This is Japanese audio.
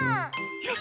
よし！